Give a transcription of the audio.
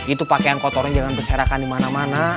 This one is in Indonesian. itu pakaian kotornya jangan berserakan dimana mana